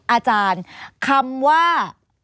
อาจารย์คำว่า